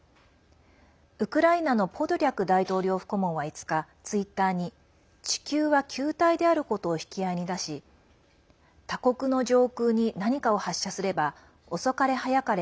ウクライナのポドリャク大統領府顧問は５日ツイッターに地球は球体であることを引き合いに出し他国の上空に何かを発射すれば、遅かれ早かれ